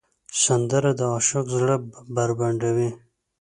سندره د عاشق زړه بربنډوي